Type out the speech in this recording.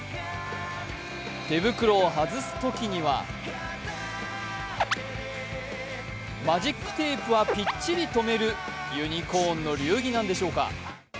手袋を外すときにはマジックテープはぴっちりとめるユニコーンの流儀なんでしょうか。